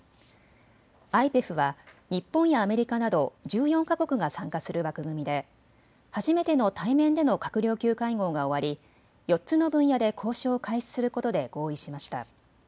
ＩＰＥＦは日本やアメリカなど１４か国が参加する枠組みで初めての対面での閣僚級会合が終わり、４つの分野で交渉を開始することで合意しました。